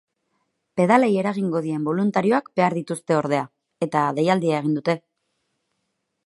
Pedalei eragingo dien boluntarioak behar dituzte ordea, eta deialdia egin dute.